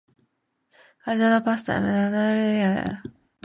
As time passes, more inscriptions appear on Charlotte's webs, increasing his renown.